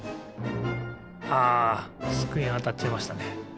あつくえにあたっちゃいましたね。